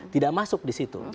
tidak masuk di situ